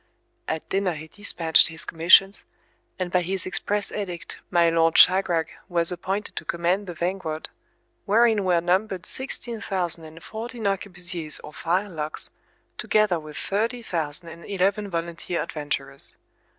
At dinner he despatched his commissions, and by his express edict my Lord Shagrag was appointed to command the vanguard, wherein were numbered sixteen thousand and fourteen arquebusiers or firelocks, together with thirty thousand and eleven volunteer adventurers.